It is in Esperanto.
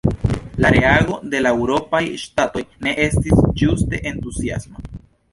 La reago de la eŭropaj ŝtatoj ne estis ĝuste entuziasma.